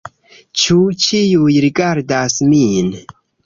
Ĉu ĉiuj rigardas min?